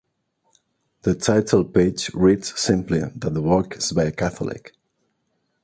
The title page reads simply that the work is by a Catholic.